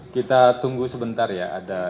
kita tunggu sebentar ya